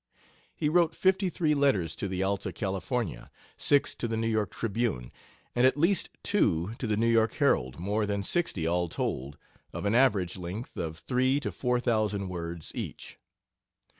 He wrote fifty three letters to the Alta California, six to the New York Tribune, and at least two to the New York Herald more than sixty, all told, of an average, length of three to four thousand words each.